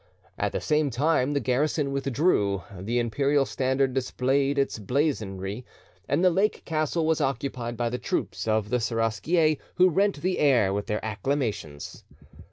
At the same time the garrison withdrew, the Imperial standard displayed its blazonry, and the lake castle was occupied by the troops of the Seraskier, who rent the air with their acclamations.